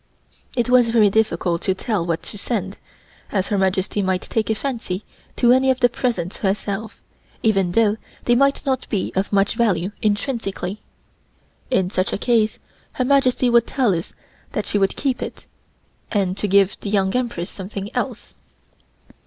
It was very difficult to tell what to send, as Her Majesty might take a fancy to any of the presents herself, even though they might not be of much value intrinsically. In such a case Her Majesty would tell us that she would keep it, and to give the Young Empress something else.